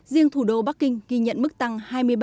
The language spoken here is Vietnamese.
riêng thủ đô bắc kinh ghi nhận mức tăng hai mươi ba